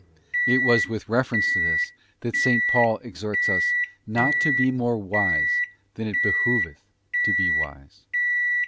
It was with reference to this that S. Paul exhorts us 'not to be more wise than it behoveth to be wise.